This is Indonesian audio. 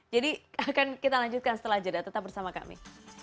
jadi akan kita lanjutkan setelah jeda tetap bersama kami